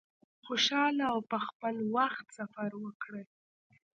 خوشحاله او په خپل وخت سفر وکړی.